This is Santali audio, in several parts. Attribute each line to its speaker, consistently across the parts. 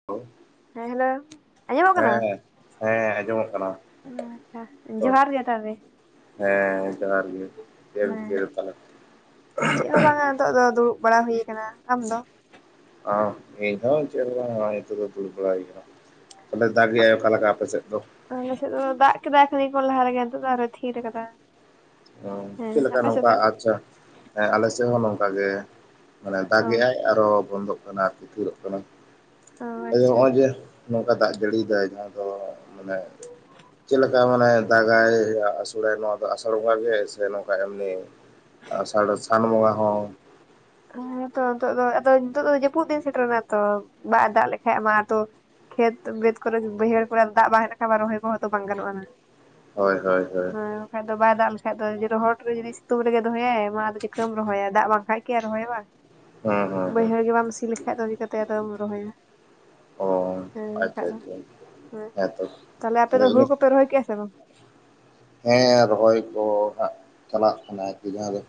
Speaker 1: [unintelligible]
Speaker 2: ᱦᱮᱸ ᱦᱮᱞᱳ ᱟᱸᱡᱚᱢᱚᱜ ᱠᱟᱱᱟ
Speaker 1: ᱦᱮᱸ ᱦᱮᱸ ᱟᱸᱡᱚᱢᱚᱜ ᱠᱟᱱᱟ ᱛᱚ
Speaker 2: ᱡᱚᱦᱟᱨ ᱜᱮ ᱛᱚᱵᱮ
Speaker 1: ᱦᱮᱸ ᱡᱚᱦᱟᱨ ᱜᱮ ᱪᱮᱫ ᱮᱢ
Speaker 2: ᱦᱮᱸ᱾
Speaker 1: ᱪᱤᱠᱟᱹᱭ ᱫᱟ ᱛᱟᱦᱞᱮ
Speaker 2: ᱪᱮᱫ ᱦᱚᱸ ᱵᱟᱝ ᱟ ᱱᱤᱛᱚᱜ ᱫᱚ ᱫᱩᱲᱩᱵ ᱵᱟᱲᱟ ᱦᱩᱭ ᱟᱠᱟᱱᱟ ᱟᱢ ᱫᱚ
Speaker 1: ᱚ ᱤᱧᱦᱚᱸ ᱪᱮᱫ ᱦᱚᱸ ᱵᱟᱝ ᱦᱚᱼᱚᱭ ᱱᱤᱛᱚᱜ ᱫᱚ ᱫᱩᱲᱩᱵ ᱵᱟᱲᱟ ᱦᱩᱭ ᱠᱟᱱᱟ ᱛᱟᱦᱞᱮ ᱫᱟᱜ ᱜᱮᱟᱭ ᱚᱠᱟᱞᱮᱠᱟ ᱟᱯᱮᱥᱮᱫ ᱫᱚ
Speaker 2: ᱟᱞᱮ ᱥᱮᱫ ᱫᱚ ᱫᱟᱜ ᱠᱮᱫᱟᱭ [unintelligible] ᱠᱷᱚᱱ ᱞᱟᱦᱟ ᱨᱮᱜᱮ ᱱᱤᱛᱚᱜ ᱫᱚ ᱟᱨᱚᱭ ᱛᱷᱤᱨ ᱠᱟᱫᱟ
Speaker 1: ᱪᱮᱫ ᱞᱮᱠᱟ ᱱᱚᱝᱠᱟ ᱟᱪᱪᱷᱟ [inaudible] ᱟᱞᱮ ᱥᱮᱫ ᱦᱚᱸ ᱱᱚᱝᱠᱟ ᱜᱮ ᱢᱟᱱᱮ
Speaker 2: ᱚ
Speaker 1: ᱫᱟᱜᱮᱜ ᱟᱭ ᱟᱨᱚ ᱵᱚᱱᱫᱚᱜ ᱠᱟᱱᱟ ᱟᱨᱠᱤ ᱛᱷᱤᱨᱚᱜ ᱠᱟᱱᱟ
Speaker 2: ᱚ
Speaker 1: [unintelligible]
Speaker 2: ᱟᱪᱪᱷᱟ᱾
Speaker 1: ᱚᱭ ᱡᱮ ᱱᱚᱝᱠᱟ ᱫᱟᱜ ᱡᱟᱹᱲᱤᱭ ᱫᱟᱭ ᱡᱟᱦᱟᱸ ᱫᱚ ᱢᱟᱱᱮ ᱪᱮᱫ ᱚᱱᱠᱟ ᱢᱟᱱᱮ ᱫᱟᱜᱟᱭ ᱟᱹᱥᱲᱟᱭ ᱱᱚᱣᱟ ᱫᱚ ᱟᱥᱟᱲ ᱱᱚᱣᱟ ᱜᱮ ᱥᱮ ᱱᱚᱝᱠᱟ ᱮᱢᱱᱤ ᱟᱥᱟᱲ ᱥᱟᱱ ᱵᱚᱸᱜᱟ ᱦᱚᱸ
Speaker 2: ᱦᱮᱸᱛᱚ ᱱᱤᱛᱚᱜ ᱫᱚ ᱟᱫᱚ ᱱᱤᱛᱳ ᱫᱚ ᱡᱟᱹᱯᱩᱫ ᱫᱤᱱ ᱥᱮᱴᱮᱨᱮᱱᱟ ᱛᱚ ᱵᱟᱭ ᱫᱟᱜ ᱞᱮᱠᱷᱟᱡ ᱢᱟ ᱛᱚ ᱠᱷᱮᱛ ᱵᱟᱹᱫ ᱠᱚᱨᱮ ᱵᱟᱹᱭᱦᱟᱹᱲ ᱠᱚᱨᱮ ᱫᱟᱜ ᱵᱟᱝᱠᱷᱟᱱ ᱨᱚᱦᱚᱭ ᱠᱚᱦᱚᱸ ᱛᱚ ᱵᱟᱝ ᱜᱟᱱᱚᱜᱼᱟ
Speaker 1: ᱦᱳᱭ ᱦᱳᱭ ᱦᱳᱭ
Speaker 2: ᱵᱟᱠᱷᱟᱱ ᱟᱫᱚᱭ ᱫᱟᱜ ᱞᱮᱠᱟᱱ ᱨᱚᱦᱚᱲ ᱨᱮ ᱡᱩᱫᱤ ᱥᱤᱛᱩᱝ ᱨᱮᱜᱮ ᱫᱚᱦᱚᱭᱟ ᱢᱟ ᱟᱫᱚ ᱪᱤᱠᱟᱹᱢ ᱨᱚᱦᱚᱭᱟ ᱫᱟᱜ ᱵᱟᱝᱠᱟᱱ ᱜᱮ ᱨᱚᱦᱚᱭ ᱵᱟᱝ
Speaker 1: ᱦᱩᱸ ᱦᱩᱸ ᱦᱩᱸ
Speaker 2: ᱵᱟᱹᱭᱦᱟᱹᱲ ᱜᱮ ᱵᱟᱢ ᱥᱤ ᱞᱮᱠᱷᱟᱡ ᱫᱚ ᱪᱤᱟᱹᱛᱮ ᱟᱫᱚᱢ ᱨᱚᱦᱚᱭᱟ
Speaker 1: ᱚ
Speaker 2: ᱦᱮᱸ
Speaker 1: ᱟᱪᱪᱷᱟ
Speaker 2: ᱵᱟᱝᱠᱷᱟᱱ ᱟᱫᱚ
Speaker 1: ᱟᱪᱪᱷᱟ
Speaker 2: ᱦᱮᱸ
Speaker 1: ᱦᱮᱸᱛᱚ
Speaker 2: ᱛᱟᱞᱦᱮ ᱟᱯᱮ
Speaker 1: ᱛᱟᱦᱞᱮ
Speaker 2: ᱫᱚ
Speaker 1: ᱤᱱᱟᱹ
Speaker 2: ᱦᱩᱲᱩ ᱠᱚᱯᱮ ᱨᱚᱦᱚᱭ ᱠᱮᱫᱼᱟ ᱥᱮ ᱵᱟᱝ
Speaker 1: ᱦᱮᱸ ᱨᱚᱦᱚᱭ ᱠᱚ ᱦᱟᱜ ᱪᱟᱞᱟᱜ ᱠᱟᱱᱟ ᱟᱨᱠᱤ ᱡᱟᱦᱟᱸ ᱫᱚ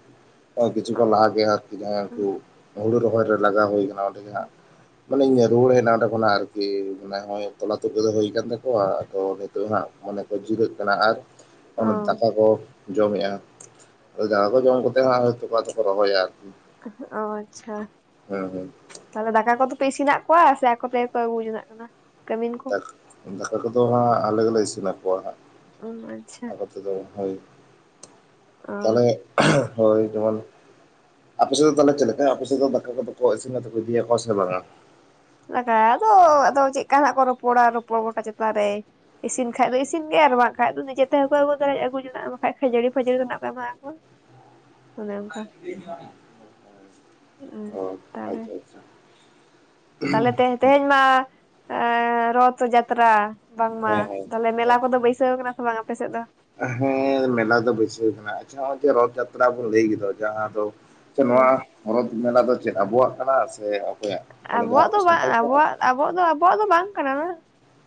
Speaker 1: ᱠᱤᱪᱷᱩ ᱠᱚ ᱞᱟᱦᱟ ᱜᱮᱭᱟ ᱩᱱ ᱦᱩᱲᱩ ᱨᱚᱦᱚᱭ ᱨᱮ ᱞᱟᱜᱟᱣ ᱦᱩᱭ ᱠᱟᱱᱟ ᱚᱸᱰᱮ ᱜᱮ ᱦᱟᱸᱜ ᱢᱟᱱᱮᱧ ᱨᱩᱣᱟᱹᱲ ᱦᱮᱡ ᱮᱱᱟ ᱚᱸᱰᱮ ᱠᱷᱚᱱᱟᱜ ᱟᱨᱠᱤ ᱢᱟᱱᱮ ᱛᱚᱞᱟ ᱛᱩᱫ ᱠᱚᱫᱚ ᱦᱩᱭ ᱟᱠᱟᱱ ᱛᱟᱠᱚᱣᱟ ᱟᱫᱚ ᱛᱚ ᱦᱟᱸᱜ ᱢᱟᱱᱮ ᱠᱚ ᱡᱤᱨᱟᱹᱜ ᱠᱟᱱᱟ ᱟᱨ ᱚᱱᱟ
Speaker 2: ᱚ
Speaker 1: ᱫᱟᱠᱟ ᱠᱚ ᱡᱚᱢᱮᱫᱼᱟ ᱟ ᱫᱟᱠᱟ ᱠᱚ ᱡᱚᱢ ᱠᱟᱛᱮᱜ ᱦᱚᱸ ᱛᱷᱚᱲᱟ ᱫᱚᱠᱚ ᱨᱚᱦᱚᱭᱟ ᱟᱨᱠᱤ
Speaker 2: ᱚ ᱟᱪᱪᱷᱟ
Speaker 1: ᱦᱮᱸ ᱦᱮᱸ
Speaker 2: ᱛᱟᱦᱚᱞᱮ ᱫᱟᱠᱟ ᱠᱚᱫᱚ ᱯᱮ ᱤᱥᱤᱱᱟᱜ ᱠᱚᱣᱟ ᱥᱮ ᱟᱠᱚ ᱛᱮᱜᱮ ᱠᱚ ᱟᱹᱜᱩ ᱡᱚᱱᱟᱜ ᱠᱟᱱᱟ ᱠᱟᱹᱢᱤᱱ ᱠᱚ
Speaker 1: ᱫᱟᱠᱟ ᱫᱟᱠᱟ ᱠᱚᱫᱚ ᱦᱟᱸᱜ ᱟᱞᱮ ᱜᱮᱞᱮ ᱤᱥᱤᱱ ᱟᱠᱚᱣᱟ ᱦᱟᱸᱜ
Speaker 2: ᱚ ᱟᱪᱪᱷᱟ
Speaker 1: ᱟᱠᱚ ᱦᱳᱭ
Speaker 2: ᱚ
Speaker 1: ᱛᱟᱦᱞᱮ ᱦᱳᱭ ᱡᱮᱢᱚᱱ ᱟᱯᱮ ᱥᱮᱫ ᱫᱚ ᱛᱟᱦᱚᱞᱮ ᱪᱮᱫ ᱞᱮᱠᱟ ᱟᱯᱮ ᱥᱮᱫ ᱫᱚ ᱫᱟᱠᱟ ᱠᱚᱫᱚ ᱠᱚ ᱤᱥᱤᱱᱟᱠᱚ ᱤᱫᱤᱭᱟᱠᱚᱼᱟ ᱥᱮ ᱵᱟᱝᱟ
Speaker 2: ᱫᱟᱠᱟ ᱫᱚ ᱟᱫᱚ ᱪᱮᱫ ᱞᱮᱠᱟ ᱱᱟᱜ ᱠᱚ ᱨᱚᱯᱚᱲᱟ ᱨᱚᱯᱚᱲ ᱜᱚᱴᱟ ᱪᱮᱛᱟᱱ ᱨᱮ ᱤᱥᱤᱱ ᱠᱷᱟᱱ ᱫᱚ
Speaker 1: ᱚ
Speaker 2: ᱤᱥᱤᱱ ᱜᱮᱭᱟ ᱟᱨ ᱵᱟᱝᱠᱷᱟᱱ ᱫᱚ ᱱᱤᱡᱮ ᱛᱮᱦᱚᱸ ᱠᱚ ᱟᱹᱜᱩ ᱫᱟᱲᱭᱟᱜ-ᱟ ᱟᱹᱜᱩ ᱡᱚᱱᱟ ᱵᱟᱝᱠᱷᱟᱱ ᱠᱷᱟᱹᱡᱟᱹᱲᱤ ᱠᱷᱟᱹᱡᱟᱹᱲᱤ ᱛᱟᱱᱟᱜ ᱠᱚ ᱮᱢ-ᱟ ᱠᱚᱣᱟ ᱚᱱᱮ ᱚᱱᱠᱟ ᱦᱚᱜ-ᱚᱭ
Speaker 1: ᱟᱪᱪᱷᱟ ᱟᱪᱪᱷᱟ
Speaker 2: ᱛᱟᱦᱚᱞᱮ ᱛᱮᱦᱮᱧ ᱢᱟ ᱮ ᱨᱚᱛᱷ ᱡᱟᱛᱨᱟ ᱵᱟᱝᱢᱟ
Speaker 1: ᱦᱮᱸ ᱦᱮᱸ
Speaker 2: ᱛᱟᱦᱚᱞᱮ ᱢᱮᱞᱟ ᱠᱚᱫᱚ ᱵᱟᱹᱭᱥᱟᱹᱣ ᱠᱟᱱᱟ ᱥᱮ ᱵᱟᱝ ᱟᱯᱮᱥᱮᱫ ᱫᱚ
Speaker 1: ᱟ ᱦᱮᱸ ᱢᱮᱞᱟ ᱫᱚ ᱵᱟᱹᱭᱥᱟᱹᱣ ᱦᱩᱭ ᱟᱠᱟᱱᱟ ᱟᱪᱪᱷᱟ ᱨᱚᱛᱷ ᱡᱟᱛᱨᱟ ᱵᱚᱱ ᱞᱟᱹᱭ ᱜᱮᱫᱚ ᱡᱟᱦᱟᱸ ᱫᱚ
Speaker 2: ᱦᱮᱸ
Speaker 1: ᱱᱚᱣᱟ ᱨᱚᱛᱷ ᱢᱮᱞᱟ ᱫᱚ ᱪᱮᱫ ᱟᱵᱚᱣᱟᱜ ᱠᱟᱱᱟ ᱥᱮ ᱚᱠᱚᱭᱟᱜ ᱢᱟᱱᱮ ᱡᱟᱦᱟᱸ
Speaker 2: ᱟᱵᱚᱣᱟᱜ
Speaker 1: ᱟᱯᱮ
Speaker 2: ᱫᱚ ᱵᱟᱝ
Speaker 1: ᱥᱟᱱᱛᱟᱲ ᱠᱚᱣᱟᱜ
Speaker 2: ᱟᱵᱚᱣᱟᱜ ᱫᱚ ᱟᱵᱚᱣᱟᱜ ᱫᱚ ᱵᱟᱝ ᱠᱟᱱᱟ ᱵᱟᱝ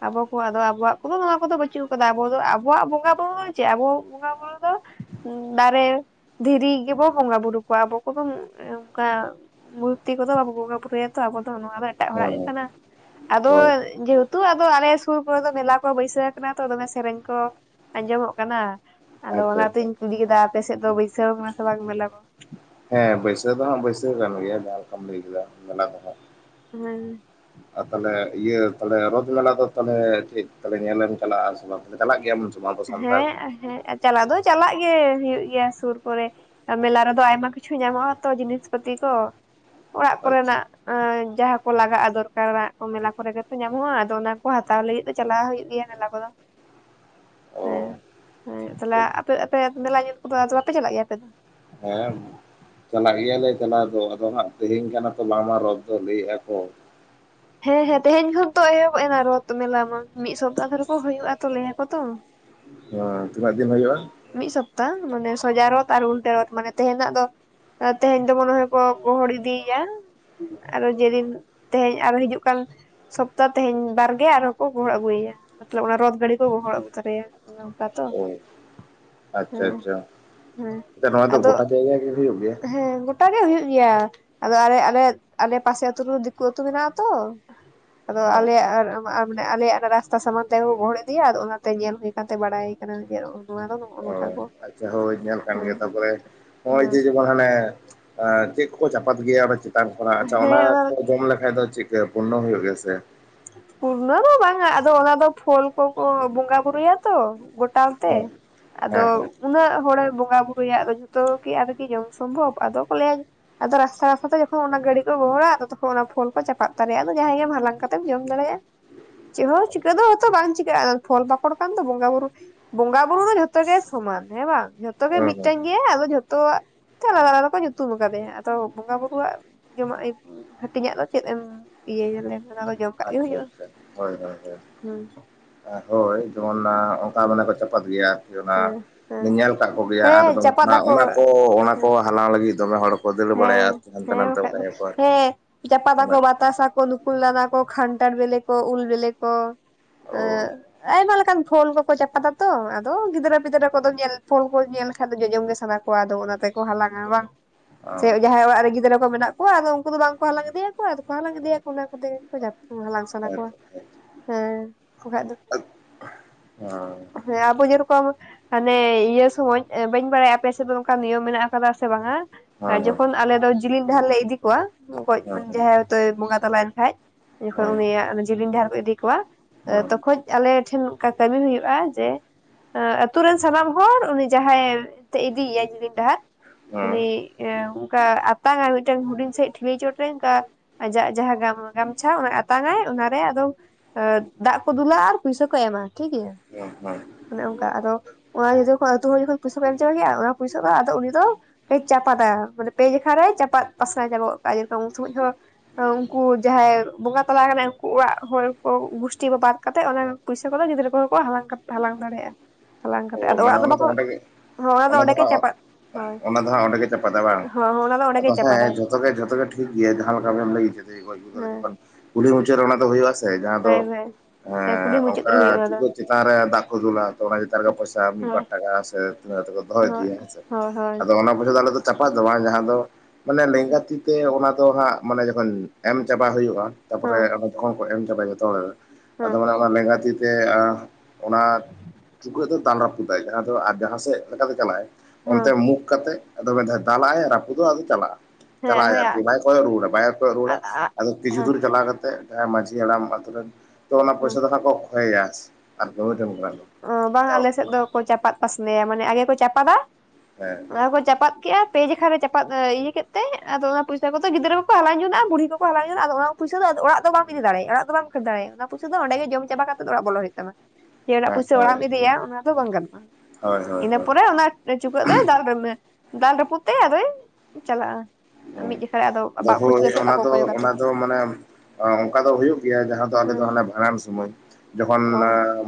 Speaker 2: ᱟᱵᱚ ᱠᱚ ᱟᱫᱚ ᱟᱵᱚᱣᱟᱜ ᱠᱚᱫᱚ ᱱᱚᱣᱟ ᱠᱚᱫᱚ ᱵᱟᱹᱪᱩᱜ ᱟᱠᱟᱫᱟ ᱟᱵᱚ ᱫᱚ ᱟᱵᱚᱣᱟᱜ ᱵᱚᱸᱜᱟ ᱵᱩᱨᱩ ᱫᱚ ᱪᱮᱫ ᱟᱵᱚᱣᱟᱜ ᱵᱚᱸᱜᱟ ᱵᱩᱨᱩ ᱫᱚ ᱫᱟᱨᱮ ᱫᱷᱤᱨᱤ ᱜᱮᱵᱚ ᱵᱚᱸᱜᱟ ᱵᱩᱨᱩ ᱠᱚᱣᱟ ᱟᱵᱚ ᱠᱚᱫᱚ ᱚᱱᱠᱟ ᱢᱩᱨᱛᱤ ᱠᱚᱫᱚ ᱵᱟᱵᱚ ᱵᱚᱸᱜᱟ ᱵᱩᱨᱩᱭᱟ ᱛᱚ ᱟᱵᱚ ᱫᱚ ᱱᱚᱣᱟ ᱫᱚ ᱮᱴᱟᱜ ᱦᱚᱲᱟᱜ
Speaker 1: ᱦᱮᱸ
Speaker 2: ᱜᱮ
Speaker 1: ᱦᱮᱸ
Speaker 2: ᱠᱟᱱᱟ ᱟᱫᱚ
Speaker 1: ᱦᱳᱭ
Speaker 2: ᱡᱮᱦᱮᱛᱩ ᱟᱞᱮ ᱥᱩᱨ ᱠᱚᱨᱮ ᱫᱚ ᱢᱮᱞᱟ ᱠᱚ ᱵᱟᱹᱭᱥᱟᱹᱣ ᱠᱟᱱᱟ ᱛᱚ ᱫᱚᱢᱮ ᱥᱮᱨᱮᱧ ᱠᱚ ᱟᱧᱡᱚᱢᱚᱜ ᱠᱟᱱᱟ ᱟᱫᱚ
Speaker 1: ᱟᱪᱪᱷᱟ ᱟᱪᱪᱷᱟ
Speaker 2: ᱚᱱᱟᱛᱤᱧ ᱠᱩᱞᱤ ᱠᱮᱫᱟ ᱟᱯᱮᱥᱮᱫ ᱫᱚ ᱵᱟᱹᱭᱥᱟᱹᱣ ᱠᱟᱱᱟᱥᱮ ᱵᱟᱝ ᱢᱮᱞᱟ
Speaker 1: ᱦᱮᱸ ᱵᱟᱹᱭᱥᱟᱹᱣ ᱫᱚ ᱦᱟᱸᱜ ᱵᱟᱹᱭᱥᱟᱹᱣ ᱠᱟᱱ ᱜᱮᱭᱟ ᱡᱟᱦᱟᱸ ᱞᱮᱠᱟᱢ ᱞᱟᱹᱭ ᱠᱮᱫᱟ ᱢᱮᱞᱟ ᱫᱚ ᱦᱟᱸ ᱚᱱᱟ ᱠᱚᱦᱚᱸ
Speaker 2: ᱦᱮᱸ
Speaker 1: ᱟᱨ ᱛᱟᱦᱚᱞᱮ ᱤᱭᱟᱹ ᱛᱟᱦᱞᱮ ᱨᱳᱛᱷ ᱢᱮᱞᱟ ᱫᱚ ᱛᱟᱦᱚᱞᱮ ᱪᱮ ᱧᱮᱞᱮᱢ ᱪᱟᱞᱟᱜ-ᱟ ᱥᱮ ᱵᱟᱝ ᱪᱟᱞᱟᱜ ᱜᱮᱭᱟ ᱵᱚ ᱥᱮᱵᱟᱝ ᱟᱵᱚ ᱥᱟᱱᱛᱟᱲ
Speaker 2: ᱦᱮᱸ ᱦᱮᱸ ᱪᱟᱞᱟᱜ ᱫᱚ ᱪᱟᱞᱟᱜ ᱜᱮ ᱦᱩᱭᱩᱜ ᱜᱮᱭᱟ ᱥᱩᱨ ᱠᱚᱨᱮ ᱢᱮᱞᱟ ᱨᱮᱫᱚ ᱟᱭᱢᱟ ᱠᱤᱪᱷᱩ ᱧᱟᱢᱚᱜ ᱟᱛᱚ ᱡᱤᱱᱤᱥ ᱯᱟᱹᱛᱤ ᱠᱚ ᱚᱲᱟᱜ
Speaker 1: ᱟᱪᱪᱷᱟ
Speaker 2: ᱠᱚᱨᱮᱱᱟᱜ ᱡᱟᱦᱟᱸ ᱠᱚ ᱞᱟᱜᱟᱜ-ᱟ ᱫᱚᱨᱠᱟᱨᱟᱜ ᱠᱚ ᱢᱮᱞᱟ ᱠᱚᱨᱮ ᱜᱮᱛᱚ ᱧᱟᱢᱚᱜ-ᱟ ᱟᱫᱚ ᱚᱱᱟ ᱠᱚ ᱦᱟᱛᱟᱣ ᱞᱟᱹᱜᱤᱫ ᱛᱮ ᱪᱟᱞᱟᱣ ᱦᱩᱭᱩᱜ ᱜᱮᱭᱟ ᱢᱮᱞᱟ ᱠᱚᱫᱚ
Speaker 1: ᱚ
Speaker 2: ᱦᱮᱸ ᱦᱮᱸ ᱛᱟᱦᱚᱞᱮ
Speaker 1: ᱴᱷᱤᱠ
Speaker 2: ᱟᱯᱮ ᱟᱯᱮ ᱢᱮᱞᱟ ᱧᱮᱞ ᱠᱚᱫᱚ ᱵᱟᱯᱮ ᱪᱟᱞᱟᱜ ᱜᱮᱭᱟ ᱟᱯᱮ ᱫᱚ
Speaker 1: ᱦᱮᱸ ᱪᱟᱞᱟᱜ ᱜᱮᱭᱟᱞᱮ ᱪᱟᱞᱟᱣ ᱫᱚ ᱟᱫᱚ ᱦᱟᱸᱜ ᱛᱮᱦᱮᱧ ᱠᱟᱱᱟ ᱠᱚ ᱵᱟᱝᱢᱟ ᱨᱚᱛᱷ ᱫᱚ ᱞᱟᱹᱭᱮᱫ-ᱟ ᱠᱚ
Speaker 2: ᱦᱮᱸ ᱦᱮᱸ ᱛᱮᱦᱮᱧ ᱠᱷᱚᱱ ᱛᱚ ᱮᱦᱚᱵ ᱮᱱᱟ ᱨᱚᱛᱷ ᱢᱮᱞᱟ ᱢᱟ ᱢᱤᱜ ᱥᱚᱯᱛᱟᱦ ᱫᱷᱚᱨᱮ ᱠᱚ ᱦᱩᱭᱩᱜ-ᱟ ᱛᱚ ᱞᱟᱹᱭᱟ ᱠᱚ ᱛᱚ
Speaker 1: ᱚ ᱛᱤᱱᱟᱹᱜ ᱫᱤᱱ ᱦᱩᱭᱩᱜ-ᱟ
Speaker 2: ᱢᱤᱫ ᱥᱚᱯᱛᱟᱦ ᱢᱟᱱᱮ ᱥᱚᱡᱟ ᱨᱚᱛᱷ ᱟᱨ ᱩᱞᱴᱟᱹ ᱨᱚᱛᱷ ᱢᱟᱱᱮ ᱛᱮᱦᱮᱧᱟᱜ ᱫᱚ ᱛᱮᱦᱮᱧ ᱫᱚ ᱢᱚᱱᱮᱦᱚᱭ ᱠᱚ ᱜᱚᱦᱚᱲ ᱤᱫᱤᱭᱮᱜ-ᱟ ᱟᱨ ᱡᱮᱫᱤᱱ ᱛᱮᱦᱮᱧ ᱟᱨᱚ ᱦᱤᱡᱩᱜ ᱠᱟᱱ ᱥᱚᱯᱛᱟᱦ ᱛᱮᱦᱮᱧ ᱵᱟᱨᱜᱮ ᱟᱨᱦᱚᱸ ᱠᱚ ᱜᱚᱦᱚᱲ ᱟᱹᱜᱩᱮᱭᱟ ᱢᱚᱛᱞᱚᱵ ᱚᱱᱟ ᱨᱚᱛᱷ ᱜᱟᱹᱰᱤ ᱠᱚ ᱜᱚᱦᱚᱲ ᱟᱹᱜᱩ ᱛᱚᱨᱟᱭᱟ ᱱᱚᱝᱠᱟ ᱛᱚ
Speaker 1: ᱳ ᱟᱪᱪᱷᱟ
Speaker 2: ᱦᱮᱸ
Speaker 1: ᱟᱪᱪᱷᱟ
Speaker 2: ᱦᱮᱸ
Speaker 1: ᱱᱚᱣᱟ ᱫᱚ
Speaker 2: ᱟᱫᱚ
Speaker 1: ᱜᱚᱴᱟ ᱡᱟᱭᱜᱟ ᱜᱮ ᱦᱩᱭᱩᱜ ᱜᱮᱭᱟ?
Speaker 2: ᱦᱮᱸ ᱜᱚᱴᱟ ᱜᱮ ᱦᱩᱭᱩᱜ ᱜᱮᱭᱟ ᱟᱫᱚ ᱟᱞᱮ ᱟᱞᱮ ᱯᱟᱥᱮ ᱟᱹᱛᱩ ᱠᱚᱨᱮ ᱫᱚ ᱫᱤᱠᱩ ᱟᱹᱛᱳ ᱢᱮᱱᱟᱜ-ᱟ ᱛᱚ ᱟᱫᱚ
Speaker 1: ᱦᱮᱸ
Speaker 2: ᱟᱞᱮᱭᱟᱜᱮ ᱟᱞᱮᱭᱟᱜ ᱨᱟᱥᱛᱟ ᱥᱟᱢᱟᱝ ᱛᱮ ᱜᱚᱦᱚᱲ ᱤᱫᱤᱭᱟ ᱟᱫᱚ ᱚᱱᱟᱛᱮ ᱧᱮᱞ ᱦᱩᱭᱩᱜ-ᱟ ᱞᱮᱠᱟᱛᱮ ᱵᱟᱲᱟᱭ ᱠᱟᱱᱟ ᱡᱮ ᱱᱚᱜ ᱱᱚᱣᱟ ᱫᱚ ᱱᱚᱜ-ᱚ ᱱᱚᱝᱠᱟ
Speaker 1: ᱚ
Speaker 2: ᱠᱚ
Speaker 1: ᱟᱪᱪᱷᱟ ᱦᱳᱭ ᱧᱮᱞ ᱠᱟᱱ ᱜᱮᱭᱟ
Speaker 2: ᱦᱮᱸ
Speaker 1: ᱛᱟᱯᱚᱨᱮ ᱱᱚᱜ-ᱚᱭ
Speaker 2: ᱦᱮᱸ
Speaker 1: ᱡᱮ ᱡᱮᱢᱚᱱ ᱦᱟᱱᱮ ᱪᱮᱫ ᱠᱚ ᱪᱟᱯᱟᱫ ᱜᱮᱭᱟ ᱪᱮᱛᱟᱱ ᱠᱷᱚᱱᱟᱜ ᱟᱪᱪᱷᱟ ᱚᱱᱟ ᱠᱚ ᱡᱚᱢ ᱞᱮᱠᱷᱟᱱ ᱫᱚ ᱪᱮᱜ ᱜᱮ ᱯᱩᱨᱱᱚ ᱦᱩᱭᱩᱜ ᱜᱮᱭᱟ ᱥᱮ
Speaker 2: ᱯᱩᱨᱱᱚ ᱫᱚ ᱵᱟᱝᱟ ᱟᱫᱚ ᱚᱱᱟ ᱫᱚ ᱯᱷᱚᱞ ᱠᱚᱠᱚ ᱵᱚᱸᱜᱟ ᱵᱩᱨᱩᱭᱟ ᱛᱚ ᱜᱚᱴᱟᱞ ᱛᱮ
Speaker 1: ᱦᱮᱸ
Speaker 2: ᱟᱫᱚ
Speaker 1: ᱦᱮᱸ ᱦᱮᱸ
Speaker 2: ᱩᱱᱟᱹᱜ ᱦᱚᱲᱮ ᱵᱚᱸᱜᱟ ᱵᱩᱨᱩᱭᱟ ᱟᱫᱚ ᱡᱷᱚᱛᱚ ᱠᱤ ᱟᱫᱚᱠᱤ ᱡᱚᱢ ᱥᱚᱢᱵᱷᱚᱵ ᱟᱫᱚ ᱠᱚ ᱞᱟᱹᱭᱟ ᱟᱫᱚ ᱨᱟᱥᱛᱟ ᱨᱟᱥᱛᱟ ᱛᱮ ᱡᱚᱠᱷᱚᱱ ᱚᱱᱟ ᱜᱟᱹᱰᱤ ᱠᱚ ᱜᱚᱦᱚᱲᱟ ᱛᱚᱠᱷᱚᱱ ᱚᱱᱟ ᱯᱷᱚᱞ ᱠᱚ ᱪᱟᱯᱟᱜ ᱛᱟᱨᱟᱭᱟ ᱟᱫᱚ ᱡᱟᱦᱟᱸᱭ ᱜᱮᱢ ᱦᱟᱞᱟᱝ ᱠᱟᱛᱮ ᱛᱮᱢ ᱡᱚᱢ ᱫᱟᱲᱮᱭᱟᱜ-ᱟ ᱪᱮᱫᱽ ᱦᱚ ᱪᱤᱠᱟᱹ ᱫᱚ ᱦᱚᱭᱛᱚ ᱵᱟᱝ ᱪᱤᱠᱟᱹᱜ-ᱟ ᱯᱷᱚᱞ ᱯᱟᱠᱚᱲ ᱠᱟᱱ ᱫᱚ ᱵᱚᱸᱜᱟ ᱵᱩᱨᱩ ᱵᱚᱸᱜᱟ ᱵᱩᱨᱩ ᱫᱚ ᱡᱷᱚᱛᱚ ᱜᱮ ᱥᱚᱢᱟᱱ ᱦᱮᱸ ᱵᱟᱝ ᱡᱷᱚᱛᱚ ᱜᱮ
Speaker 1: ᱦᱮᱸ ᱦᱮᱸ
Speaker 2: ᱢᱤᱫᱴᱮᱱ ᱜᱮᱭᱟᱭ ᱟᱫᱚ ᱡᱷᱚᱛᱚᱣᱟᱜ ᱟᱞᱟᱫᱟ ᱟᱞᱟᱫᱟ ᱠᱚ ᱧᱩᱛᱩᱢ ᱟᱠᱟᱫᱮᱭᱟ ᱟᱫᱚ ᱵᱚᱸᱜᱟ ᱵᱩᱨᱩᱣᱟᱜ ᱡᱚᱢᱟᱜ ᱦᱟᱹᱴᱤᱧᱟᱜ ᱫᱚ ᱪᱮᱫ ᱮᱢ ᱤᱭᱟᱹᱭᱟ [unintelligible]
Speaker 1: ᱟᱪᱷᱟ
Speaker 2: ᱦᱩᱭᱩᱜᱼᱟ
Speaker 1: ᱟᱪᱷᱟ ᱦᱳᱭ ᱦᱳᱭ
Speaker 2: ᱦᱩᱸ
Speaker 1: ᱦᱳᱭ ᱡᱮᱢᱚᱱ ᱚᱱᱠᱟ
Speaker 2: ᱦᱩᱸ
Speaker 1: ᱢᱟᱱᱮ ᱠᱚ ᱪᱟᱯᱟᱫ ᱜᱮᱭᱟ ᱟᱨᱠᱤ ᱚᱱᱟ
Speaker 2: ᱦᱮᱸ ᱦᱮᱸ
Speaker 1: ᱧᱮᱞ ᱟᱠᱟᱫ ᱠᱚᱜᱮᱭᱟ ᱟᱨ
Speaker 2: ᱦᱮᱸ
Speaker 1: ᱫᱚᱢᱮ
Speaker 2: ᱪᱟᱯᱟᱫ
Speaker 1: ᱚᱱᱟ
Speaker 2: ᱫᱟᱠᱚ
Speaker 1: ᱚᱱᱟ ᱠᱚ ᱚᱱᱟ ᱠᱚ
Speaker 2: ᱦᱮᱸ
Speaker 1: ᱦᱟᱞᱟᱝ ᱞᱟᱹᱜᱤᱫ ᱫᱚᱢᱮ ᱦᱚᱲ ᱠᱚ ᱫᱟᱹᱲ
Speaker 2: ᱦᱮᱸ
Speaker 1: ᱵᱟᱲᱟᱭᱟ ᱟᱨᱠᱤ ᱦᱟᱱᱛᱮ
Speaker 2: ᱦᱮᱸ
Speaker 1: ᱱᱟᱛᱮ
Speaker 2: ᱵᱟᱠᱷᱟᱡ ᱫᱚ
Speaker 1: ᱵᱟᱲᱟᱭᱟᱠᱚ ᱟᱨᱠᱤ
Speaker 2: ᱦᱮᱸ ᱪᱟᱯᱟᱫᱟ ᱠᱚ
Speaker 1: ᱚᱱᱟ
Speaker 2: ᱵᱟᱛᱟᱥᱟᱠᱚ ᱠᱩᱞ ᱫᱟᱱᱟ ᱠᱚ ᱠᱷᱟᱱᱴᱟᱲ ᱵᱮᱞᱮ ᱠᱚ ᱩᱞ ᱵᱮᱞᱮ ᱠᱚ
Speaker 1: ᱚ
Speaker 2: ᱟᱭᱢᱟ ᱞᱮᱠᱟᱱ ᱯᱷᱚᱞ ᱠᱚᱠᱚ ᱪᱟᱯᱟᱫᱟ ᱛᱚ ᱟᱫᱚ ᱜᱤᱫᱽᱨᱟᱹ ᱯᱤᱫᱽᱨᱟᱹ ᱠᱚᱫᱚ ᱧᱮᱞ ᱯᱷᱚᱞ ᱠᱚ ᱧᱮᱞ ᱞᱮᱠᱷᱟᱱ ᱫᱚ ᱡᱚᱡᱚᱢ ᱜᱮ ᱥᱟᱱᱟ ᱠᱚᱣᱟ ᱠᱚᱣᱟ ᱫᱚ ᱚᱱᱟᱛᱮ ᱠᱚ ᱦᱟᱞᱟᱝᱼᱟ ᱵᱟᱝ ᱥᱮ ᱡᱟᱦᱟᱸᱭ ᱚᱲᱟᱜ ᱨᱮ ᱜᱤᱫᱽᱨᱟᱹ ᱠᱚ ᱢᱮᱱᱟᱜ ᱠᱚᱣᱟ ᱟᱫᱚ ᱩᱱᱠᱩ ᱫᱚ ᱵᱟᱝ ᱠᱚ ᱦᱟᱞᱟᱝ ᱤᱫᱤᱭᱟᱠᱚ ᱟᱫᱚ ᱠᱚ ᱦᱟᱞᱟᱝ ᱤᱫᱤᱭᱟᱠᱚ ᱚᱱᱟ ᱠᱚᱛᱮ ᱜᱮ [unintelligible] ᱦᱟᱞᱟᱝ ᱥᱟᱱᱟ
Speaker 1: ᱦᱮᱸᱛᱚ ᱦᱮᱸ
Speaker 2: ᱠᱚᱣᱟ ᱦᱮᱸ ᱵᱟᱠᱷᱟᱡ ᱫᱚ
Speaker 1: ᱦᱚᱸ
Speaker 2: ᱦᱮᱸ ᱟᱵᱚ ᱡᱮᱨᱚᱠᱚᱢ ᱢᱟᱱᱮ ᱤᱭᱟᱹ ᱥᱚᱢᱚᱭ ᱵᱟᱹᱧ ᱵᱟᱲᱟᱭᱟ ᱟᱯᱮ ᱥᱮᱫ ᱫᱚ ᱚᱱᱠᱟ ᱱᱤᱭᱚᱢ ᱢᱮᱱᱟᱜ ᱟᱠᱟᱫᱟ ᱥᱮ ᱵᱟᱝᱟ ᱟᱨ
Speaker 1: ᱦᱮᱸ ᱦᱮᱸ
Speaker 2: ᱡᱚᱠᱷᱚᱱ ᱟᱞᱮ ᱫᱚ ᱡᱤᱞᱤᱧ ᱰᱟᱦᱟᱨ ᱞᱮ ᱤᱫᱤ ᱠᱚᱣᱟ ᱜᱚᱡᱽ
Speaker 1: ᱦᱮᱸ
Speaker 2: ᱡᱟᱦᱟᱸᱭ ᱦᱚᱭᱛᱚᱭ ᱵᱚᱸᱜᱟ ᱛᱟᱞᱟᱭᱮᱱ ᱠᱷᱟᱡ ᱡᱚᱠᱷᱚᱱ ᱩᱱᱤᱭᱟᱜ ᱡᱤᱞᱤᱧ ᱰᱟᱷᱟᱨ ᱠᱚ ᱤᱫᱤ ᱠᱚᱣᱟ ᱛᱚᱠᱷᱚᱡ ᱟᱞᱮ ᱴᱷᱮᱱ ᱚᱱᱠᱟ ᱠᱟᱹᱢᱤ ᱦᱩᱭᱩᱜᱼᱟ ᱡᱮ ᱟᱛᱩ ᱨᱮᱱ ᱥᱟᱱᱟᱢ ᱦᱚᱲ ᱩᱱᱤ ᱡᱟᱦᱟᱸᱭ ᱮᱱᱛᱮ ᱤᱫᱤᱭᱮᱭᱟ ᱡᱤᱞᱤᱧ ᱰᱟᱦᱟᱨ ᱩᱱᱤ
Speaker 1: ᱦᱮᱸ
Speaker 2: ᱚᱱᱠᱟ ᱟᱛᱟᱝᱼᱟ ᱢᱤᱫᱴᱟᱝ ᱦᱩᱰᱤᱧ ᱥᱮᱫ ᱴᱷᱤᱞᱤ ᱪᱚᱴᱨᱮ ᱚᱱᱠᱟ ᱾ ᱟᱡᱟᱜ ᱡᱟᱦᱟᱸ ᱜᱟᱢᱪᱷᱟ ᱚᱱᱟ ᱟᱛᱟᱝᱟᱭ ᱚᱱᱟᱨᱮ ᱟᱫᱚ ᱫᱟᱜ ᱠᱚ ᱫᱩᱞᱟ ᱟᱨ ᱯᱚᱭᱥᱟ ᱠᱚ ᱮᱢᱟ ᱴᱷᱤᱠ ᱜᱮᱭᱟ
Speaker 1: ᱦᱳᱭ ᱦᱳᱭ
Speaker 2: ᱚᱱᱮ ᱚᱱᱠᱟ ᱟᱫᱚ ᱚᱱᱟ ᱡᱚᱛᱚᱠᱷᱚᱱ ᱟᱹᱛᱩ ᱦᱚᱲ ᱡᱚᱠᱷᱚᱱ ᱯᱚᱭᱥᱟ ᱠᱚ ᱮᱢ ᱪᱟᱵᱟᱭ ᱜᱮᱭᱟ ᱚᱱᱟ ᱯᱚᱭᱥᱟ ᱫᱚ ᱩᱱᱤ ᱫᱚ ᱠᱟᱹᱡ ᱪᱟ ᱪᱟᱯᱟᱫᱟᱭ ᱢᱟᱱᱮ ᱯᱮ ᱡᱮᱠᱷᱟ ᱨᱮᱭ ᱪᱟᱯᱟᱫ ᱯᱟᱥᱱᱟᱣ ᱪᱟᱵᱟ ᱠᱟᱜᱼᱟ [unintelligible] ᱩᱱ ᱥᱚᱢᱚᱭ ᱦᱚᱸ ᱾ ᱩᱱᱠᱩ ᱡᱟᱦᱟᱸᱭ ᱵᱚᱸᱜᱟ ᱛᱟᱞᱟ ᱠᱟᱱᱟᱭ ᱩᱱᱠᱩ ᱚᱲᱟᱜ ᱦᱚᱲ ᱠᱚ ᱜᱩᱥᱴᱤ ᱵᱟᱫ ᱠᱟᱛᱮᱜ ᱚᱱᱟ ᱯᱚᱭᱥᱟ ᱠᱚᱫᱚ ᱜᱤᱫᱽᱨᱟᱹ ᱠᱚᱦᱚ ᱠᱚ ᱦᱟᱞᱟᱝ ᱫᱟᱲᱮᱭᱟᱜᱼᱟ ᱾ ᱦᱟᱞᱟᱝ ᱠᱟᱛᱮᱫ
Speaker 1: ᱚ
Speaker 2: ᱟᱫᱚ
Speaker 1: ᱢᱟᱱᱮ
Speaker 2: ᱚᱲᱟᱜ ᱫᱚ
Speaker 1: ᱚᱱᱟ
Speaker 2: ᱵᱟᱠᱚ
Speaker 1: ᱚᱸᱰᱮ ᱜᱮ
Speaker 2: ᱦᱳᱭ
Speaker 1: ᱚᱱᱟ ᱫᱚ
Speaker 2: ᱚᱸᱰᱮ ᱜᱮ
Speaker 1: ᱦᱟᱸᱜ
Speaker 2: ᱪᱟᱯᱟᱜ ᱦᱳᱭ
Speaker 1: ᱚᱱᱟ ᱚᱸᱰᱮ ᱫᱚ ᱜᱮ [unintelligible] ᱵᱟᱝ
Speaker 2: ᱦᱚᱸ ᱦᱚᱸ ᱚᱱᱟ ᱫᱚ ᱚᱸᱰᱮ ᱜᱮ
Speaker 1: ᱟᱫᱚ ᱦᱮᱸ
Speaker 2: ᱪᱟᱯᱟᱫᱟᱭ
Speaker 1: ᱡᱷᱚᱛᱚ ᱜᱮ ᱡᱷᱚᱛᱚ ᱜᱮ ᱴᱷᱤᱠ ᱜᱮᱭᱟ ᱡᱟᱦᱟᱸ ᱞᱮᱠᱟ
Speaker 2: ᱦᱮᱸ
Speaker 1: ᱵᱮᱱ ᱞᱟᱹᱭ ᱟᱠᱟᱛᱫᱮᱭᱟ ᱾ ᱠᱩᱞᱦᱤ ᱢᱩᱪᱟᱹᱫ ᱨᱮ ᱚᱱᱟ ᱫᱚ ᱦᱳᱭᱳᱜᱼᱟ ᱾ ᱡᱟᱦᱟᱸ ᱫᱚ
Speaker 2: ᱦᱮᱸ ᱦᱮᱸ ᱦᱮᱸ ᱠᱩᱞᱦᱤ ᱢᱩᱪᱟᱹᱫ ᱨᱮ ᱦᱩᱭᱩᱜᱼᱟ
Speaker 1: ᱚᱠᱟ
Speaker 2: ᱚᱱᱟ ᱫᱚ
Speaker 1: ᱪᱩᱠᱟᱹᱜ ᱪᱮᱛᱟᱱ ᱨᱮ ᱫᱟᱜ ᱠᱚ ᱫᱩᱞᱟ ᱚᱱᱟ ᱪᱮᱛᱟᱱ ᱨᱮ ᱯᱚᱭᱥᱟ ᱢᱤᱫ ᱵᱟᱴ
Speaker 2: ᱦᱚᱸ
Speaker 1: ᱴᱟᱠᱟ ᱥᱮ ᱤᱱᱟᱹᱜ ᱠᱟᱛᱮ
Speaker 2: ᱦᱳᱭ
Speaker 1: ᱫᱚᱦᱚᱭᱼᱟ
Speaker 2: ᱦᱳᱭ ᱦᱳᱭ
Speaker 1: ᱟᱫᱚ ᱚᱱᱟ ᱯᱚᱭᱥᱟ ᱫᱚ ᱟᱞᱮ ᱪᱟᱯᱟᱫ ᱫᱚ ᱵᱟᱝ ᱡᱟᱦᱟᱸ ᱫᱚ ᱢᱟᱱᱮ ᱞᱮᱸᱜᱟ ᱛᱤ ᱛᱮ ᱚᱱᱟ ᱫᱚ ᱦᱟᱸᱜ ᱢᱟᱱᱮ ᱡᱚᱠᱷᱚᱱ ᱮᱢ ᱪᱟᱵᱟ ᱦᱳᱭᱳᱜᱼᱟ ᱾ ᱛᱟᱯᱚᱨᱮ
Speaker 2: ᱦᱚᱸ
Speaker 1: ᱡᱚᱠᱷᱚᱱ ᱠᱚ ᱮᱢ ᱪᱟᱵᱟᱭᱟ ᱡᱚᱛᱚ ᱦᱚᱲ ᱟᱫᱚ
Speaker 2: ᱦᱚᱸ
Speaker 1: ᱢᱟᱱᱮ ᱚᱱᱟ ᱞᱮᱸᱜᱟ ᱛᱤ ᱡᱮ ᱚᱱᱟ ᱪᱩᱠᱟᱹᱜ ᱫᱚ ᱫᱟᱞ ᱨᱟᱯᱩᱫ ᱡᱟᱦᱟᱸ ᱫᱚ ᱟᱨ ᱡᱟᱦᱟᱸ ᱥᱮᱫ ᱞᱮᱠᱟᱛᱮ ᱪᱟᱞᱟᱜ ᱟᱭ
Speaker 2: ᱦᱚᱸ
Speaker 1: ᱚᱱᱛᱮ ᱢᱩᱠᱷ ᱠᱟᱛᱮᱜ ᱟᱫᱚ ᱫᱟᱞᱟᱜᱼᱟᱭ ᱨᱟᱹᱯᱩᱫᱚᱜᱼᱟ ᱟᱫᱚ ᱪᱟᱞᱟᱜᱼᱟ
Speaker 2: ᱦᱮᱸ
Speaker 1: ᱪᱟᱞᱟᱜᱟᱭ
Speaker 2: ᱦᱳᱭ
Speaker 1: ᱟᱨᱠᱤ
Speaker 2: ᱦᱮᱸ
Speaker 1: ᱵᱟᱭ ᱠᱚᱭᱚᱜ ᱨᱩᱣᱟᱹᱲᱟ ᱵᱟᱭ ᱠᱚᱭᱚᱜ ᱨᱩᱣᱟᱹᱲᱟ ᱟᱫᱚ ᱠᱤᱪᱷᱩ ᱫᱩᱨ ᱪᱟᱞᱟᱣ ᱠᱟᱛᱮᱫ ᱡᱟᱦᱟᱸᱭ ᱢᱟᱺᱡᱷᱤ ᱦᱟᱲᱟᱢ ᱟᱛᱳ ᱨᱮᱱ ᱛᱚ ᱚᱱᱟ ᱯᱚᱭᱥᱟ ᱫᱚ ᱦᱟᱸᱜ ᱠᱚ ᱠᱷᱚᱭᱮᱭᱟ ᱟᱨ
Speaker 2: ᱚ ᱵᱟᱝ ᱟᱞᱮ ᱥᱮᱫ ᱫᱚᱠᱚ ᱪᱟᱯᱟᱫ ᱯᱟᱥᱱᱟᱭᱟ ᱢᱟᱱᱮ ᱟᱜᱮ ᱠᱚ ᱪᱟᱯᱟᱫᱟ
Speaker 1: ᱦᱮᱸ
Speaker 2: ᱚᱱᱟ ᱪᱟᱯᱟᱫ ᱠᱮᱫᱼᱟ ᱯᱮ ᱡᱟᱠᱷᱟ ᱨᱮ ᱪᱟᱯᱟᱫ ᱤᱭᱟᱹ ᱠᱮᱫᱽᱛᱮᱭ ᱟᱫᱚ ᱚᱱᱟ ᱯᱚᱭᱥᱟ ᱠᱚᱫᱚ ᱜᱤᱫᱽᱨᱟᱹ ᱠᱚᱠᱚ ᱦᱟᱞᱟᱝ ᱡᱚᱱᱟᱜᱼᱟ ᱵᱩᱲᱦᱤ ᱠᱚᱠᱚ ᱦᱟᱞᱟᱝ ᱡᱚᱱᱟᱜᱼᱟ ᱟᱫᱚ ᱚᱱᱟ ᱫᱚ ᱚᱲᱟᱜ ᱵᱟᱢ ᱤᱫᱤ ᱫᱟᱲᱮᱭᱟᱜᱼᱟ ᱚᱲᱟᱜ ᱵᱟᱢ ᱠᱷᱟᱹᱲ ᱫᱟᱲᱮᱜᱼᱟ ᱚᱱᱟ ᱯᱚᱭᱟᱹ ᱫᱚ ᱚᱸᱰᱮ ᱜᱮ ᱡᱚᱢ ᱪᱟᱵᱟ ᱠᱟᱛᱮ ᱚᱲᱜ ᱵᱚᱞ ᱦᱩᱭᱩᱜ ᱛᱟᱢᱟ
Speaker 1: [inaudible]
Speaker 2: ᱨᱮᱱᱟᱜ ᱯᱩᱭᱥᱟᱹ ᱚᱲᱟᱜ
Speaker 1: ᱦᱳᱭ
Speaker 2: ᱮᱢ ᱤᱫᱤᱭᱟ ᱚᱱᱟ ᱫᱚ ᱵᱟᱝ ᱜᱟᱱᱚᱜᱼᱟ
Speaker 1: ᱦᱳᱭ ᱦᱳᱭ
Speaker 2: ᱤᱱᱟᱹ
Speaker 1: ᱦᱳᱭ
Speaker 2: ᱯᱚᱨᱮ ᱚᱱᱟ ᱪᱩᱠᱟᱹᱜ ᱫᱚ ᱫᱟᱞ ᱫᱟᱞ ᱨᱟᱹᱯᱩᱫ ᱛᱮ ᱟᱫᱚᱭ ᱪᱟᱞᱟᱜᱼᱟ ᱢᱤᱫ ᱡᱚᱠᱷᱚᱱ
Speaker 1: ᱟᱫᱚ ᱦᱳᱭ ᱚᱱᱟ ᱫᱚ ᱚᱱᱟ ᱫᱚ ᱢᱟᱱᱮ ᱚᱱᱠᱟ ᱫᱚ ᱦᱳᱭᱳᱜ ᱜᱮᱭᱟ ᱡᱟᱦᱟᱸ ᱫᱚ ᱟᱞᱮ ᱫᱚ ᱦᱟᱱᱮ
Speaker 2: ᱦᱮᱸ
Speaker 1: ᱵᱷᱟᱸᱰᱟᱱ ᱥᱚᱢᱟᱹᱭ ᱡᱚᱠᱷᱚᱱ
Speaker 2: ᱚ